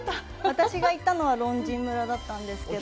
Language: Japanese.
私が行ったのは龍井村だったんですけど。